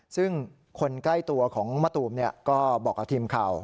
ซึ่งคนใกล้ตัวของมะตูมก็บอกกับทีมข่าว